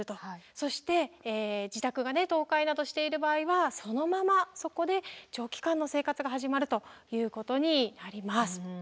そして自宅が倒壊などしている場合はそのままそこで長期間の生活が始まるということになります。